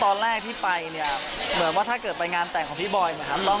ตอนแรกที่ไปถ้าเกิดไปงานแต่งบี่บอย